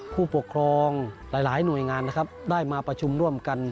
ผู้ปกครองหลายหน่วยงานนะครับได้มาประชุมร่วมกัน